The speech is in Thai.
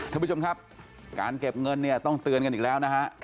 ท่านผู้ชมครับการเก็บเงินเนี่ยต้องเตือนกันอีกแล้วนะฮะ